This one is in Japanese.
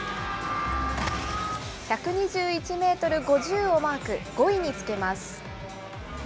１２１メートル５０をマーク、５位につけます。